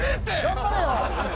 頑張れよ